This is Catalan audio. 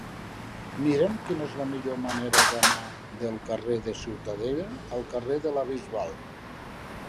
Mira'm quina és la millor manera d'anar del carrer de Ciutadella al carrer de la Bisbal.